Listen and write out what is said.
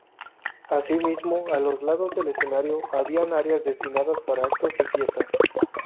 Asimismo, a los lados del escenario había áreas destinadas para actos y fiestas.